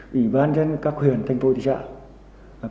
ủy ban các huyền thành phố thị trạng